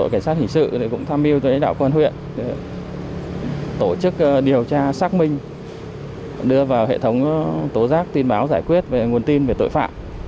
cảnh sát hình sự cũng tham mưu với đạo quân huyện tổ chức điều tra xác minh đưa vào hệ thống tố giác tin báo giải quyết về nguồn tin về tội phạm